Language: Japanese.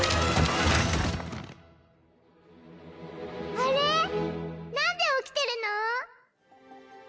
あれなんで起きてるの？